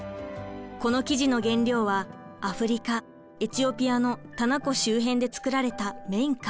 この生地の原料はアフリカ・エチオピアのタナ湖周辺で作られた綿花。